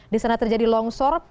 di sana terjadi longsor